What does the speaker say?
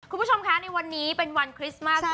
คุณผู้ชมคะในวันนี้เป็นวันคริสต์มาส